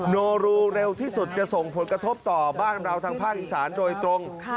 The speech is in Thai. โนรูเร็วที่สุดจะส่งผลกระทบต่อบ้านเราทางภาคอีสานโดยตรง